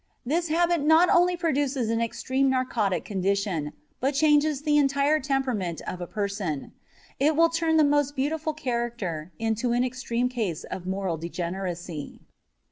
This habit not only produces an extreme neurotic condition, but changes the entire temperament of a person. It will turn the most beautiful character into an extreme case of moral degeneracy.